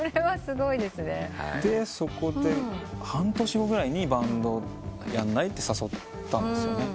でそこで半年後ぐらいに「バンドやんない？」って誘ったんですよね。